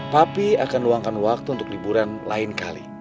papi akan luangkan waktu untuk liburan lain kali